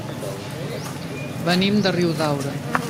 Venim de Riudaura.